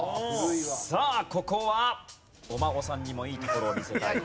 さあここはお孫さんにもいいところを見せたい。